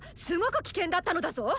すごく危険だったのだぞ！